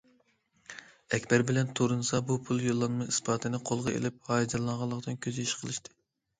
ئەكبەر بىلەن تۇرنىسا بۇ پۇل يوللانما ئىسپاتىنى قولىغا ئېلىپ، ھاياجانلانغانلىقىدىن كۆز يېشى قىلىشتى.